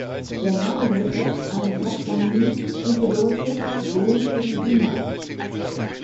Der Name ist ein Patronym und bedeutet "Sohn des Gunnar".